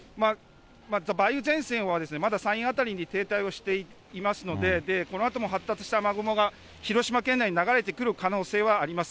梅雨前線はまだ山陰辺りに停滞をしていますので、このあとも発達した雨雲が、広島県内に流れてくる可能性はあります。